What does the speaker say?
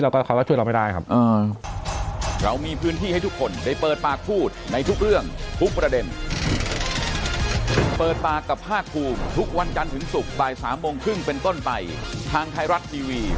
ถ้าเราอยู่ในพื้นที่เราก็เขารักช่วยเราไม่ได้ครับ